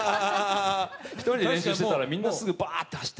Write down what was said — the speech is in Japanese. １人で練習してたらみんなすぐ、バーッと来て。